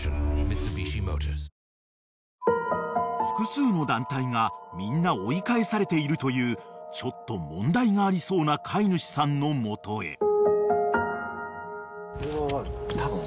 ［複数の団体がみんな追い返されているというちょっと問題がありそうな飼い主さんの元へ］